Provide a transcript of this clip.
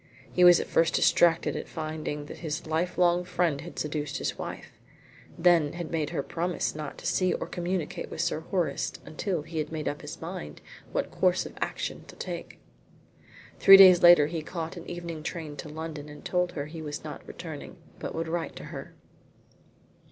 He was at first distracted at finding that his lifelong friend had seduced his wife, then he made her promise not to see or communicate with Sir Horace until he made up his mind what course of action to take. Three days later he caught an evening train to London and told her he was not returning, but would write to her.